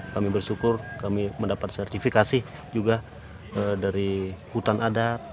kami bersyukur kami mendapat sertifikasi juga dari hutan adat